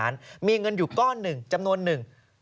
มีเงินอยู่ก้อนหนึ่งจำนวนหนึ่ง